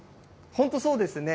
本当そうですね。